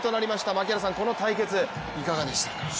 槙原さん、この対決いかがでしたか？